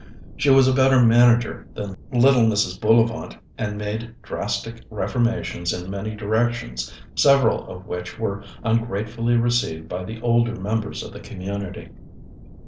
She was a better manager than little Mrs. Bullivant, and made drastic reformations in many directions, several of which were ungratefully received by the older members of the community.